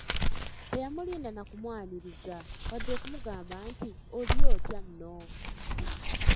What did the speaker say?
Teyamulinda na kumwaniriza, wadde okumugamba nti, “Oliyo otya nno?"